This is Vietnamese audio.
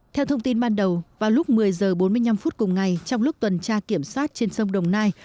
theo thông tin ban đầu vào lúc một mươi h bốn mươi năm phút cùng ngày trong lúc tuần tra kiểm soát trên sông đồng nai